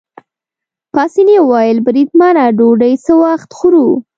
پاسیني وویل: بریدمنه ډوډۍ څه وخت خورو؟